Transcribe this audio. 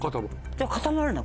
じゃあ固まるんだ。